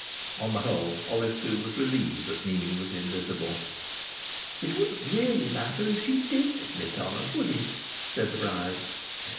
On the whole Olive Two was relieved that Mimi was invisible. "It wouldn't really matter if she did split on us, would it?" said the bride.